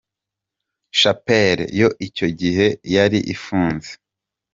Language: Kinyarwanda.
Shapeli yo icyo gihe yari ifunze.